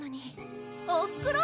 おふくろ！